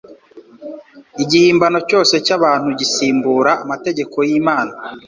Igihimbano cyose cy'abantu gisimbura amategeko y'Imana,